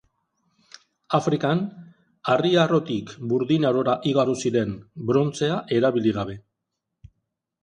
Afrikan, Harri Arotik Burdin Arora igaro ziren, brontzea erabili gabe.